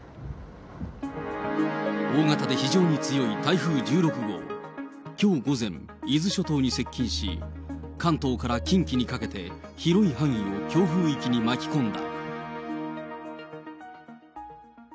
大型で非常に強い台風１６号、きょう午前、伊豆諸島に接近し、関東から近畿にかけて広い範囲を強風域に巻き込んだ。